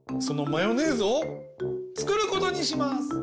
そのマヨネーズをつくることにします！